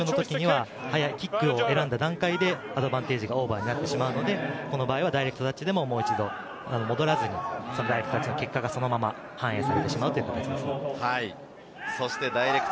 基本的にノックオンであったり、軽い反則の時には、早いキックを選んだ段階でアドバンテージがオーバーになってしまうので、この場合はダイレクトタッチでももう一度戻らずに、ダイレクトタッチの結果がそのまま反映されてしまうということです。